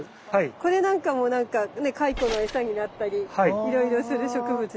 これなんかもなんか蚕の餌になったりいろいろする植物ですよね。